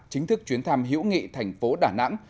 chính thức chuyến thăm hữu nghị thành phố đà nẵng